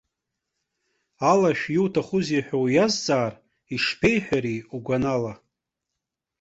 Алашә иуҭахузеи ҳәа уиазҵаар, ишԥеиҳәари угәанала?